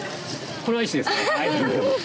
これは石ですね。